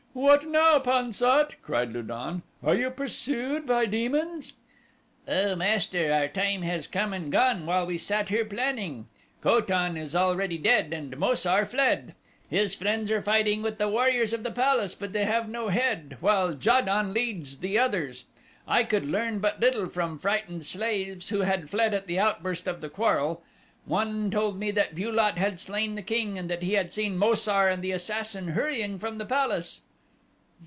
"What now, Pan sat?" cried Lu don. "Are you pursued by demons?" "O master, our time has come and gone while we sat here planning. Ko tan is already dead and Mo sar fled. His friends are fighting with the warriors of the palace but they have no head, while Ja don leads the others. I could learn but little from frightened slaves who had fled at the outburst of the quarrel. One told me that Bu lot had slain the king and that he had seen Mo sar and the assassin hurrying from the palace."